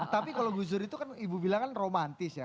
tapi kalau gus dur itu kan ibu bilang kan romantis ya